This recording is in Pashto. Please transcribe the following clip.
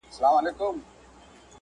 سیاه پوسي ده، ماسوم یې ژاړي.